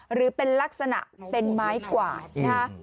หรือเป็นลักษณะเป็นไม้กวาดนะฮะ